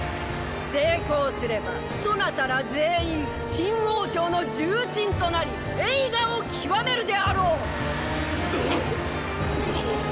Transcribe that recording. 成功すればそなたら全員新王朝の重鎮となり栄華を極めるであろう！！！